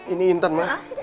ini intan mah